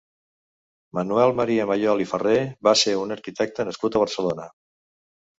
Manuel Maria Mayol i Ferrer va ser un arquitecte nascut a Barcelona.